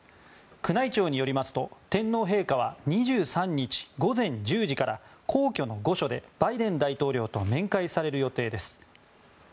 宮内庁によりますと天皇陛下は２３日午前１０時から皇居の御所でバイデン大統領と面会される予定です。